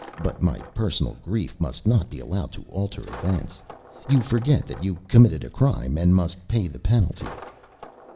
But my personal grief must not be allowed to alter events: you forget that you committed a crime and must pay the penalty."